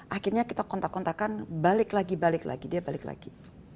akhirnya kita kontak kontakan balik lagi balik lagi dia balik lagi